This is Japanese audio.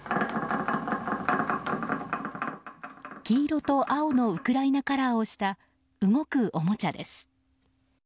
黄色と青のウクライナカラーをした動くおもちゃです。